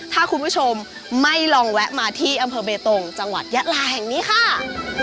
ถ้าคุณผู้ชมไม่ลองแวะมาที่อำเภอเบตงจังหวัดยะลาแห่งนี้ค่ะ